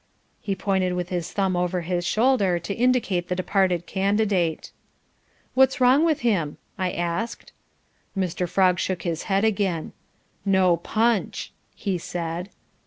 He pointed with his thumb over his shoulder to indicate the departed Candidate. "What's wrong with him?" I asked. Mr. Frog shook his head again. "No PUNCH," he said.